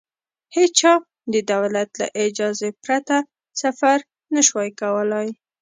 هېچا د دولت له اجازې پرته سفر نه شوای کولای.